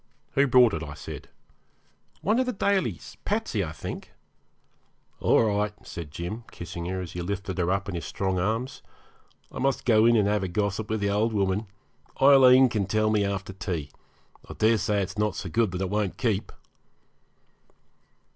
'Who brought it?' I said. 'One of the Dalys Patsey, I think.' 'All right,' said Jim, kissing her as he lifted her up in his great strong arms. 'I must go in and have a gossip with the old woman. Aileen can tell me after tea. I daresay it's not so good that it won't keep.'